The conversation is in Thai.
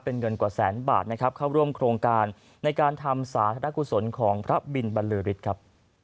เป็นเงินกว่าแสนบาทนะครับเข้าร่วมโครงการในการทำสาธารณกุศลของพระบินบรรลือฤทธิ์ครับ